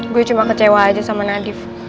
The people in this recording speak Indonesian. gue cuma kecewa aja sama nadif